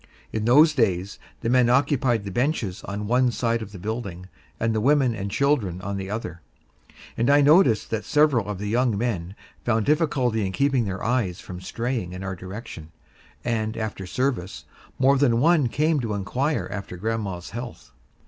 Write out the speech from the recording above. In those days, the men occupied the benches on one side of the building, and the women and children on the other; and I noticed that several of the young men found difficulty in keeping their eyes from straying in our direction, and after service, more than one came to inquire after grandma's health.